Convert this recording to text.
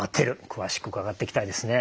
詳しく伺っていきたいですね。